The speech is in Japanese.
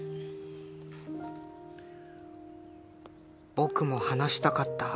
「僕も話したかった。